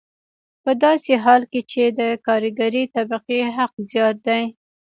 په داسې حال کې چې د کارګرې طبقې حق زیات دی